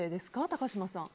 高嶋さん。